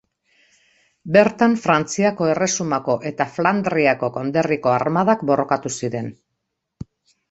Bertan Frantziako Erresumako eta Flandriako konderriko armadak borrokatu ziren.